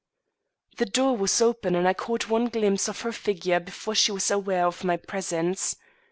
The door was open and I caught one glimpse of her figure before she was aware of my presence.